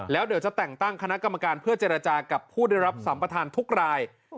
แล้วเดี๋ยวจะแต่งตั้งคณะกรรมการเพื่อเจรจากับผู้ได้รับสัมประธานทุกราย